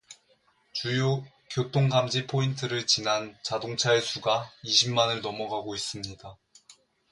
주요 교통 감지 포인트를 지난 자동차의 수가 이십만을 넘어가고 있습니다.